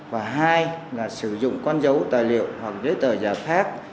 và hai là sử dụng con dấu tài liệu hoặc giấy tờ giả khác